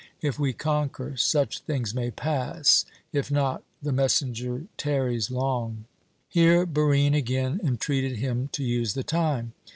If we conquer, such things may pass; if not The messenger tarries long " Here Barine again entreated him to use the time.